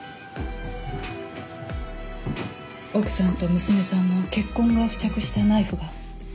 奥さんと娘さんの血痕が付着したナイフが。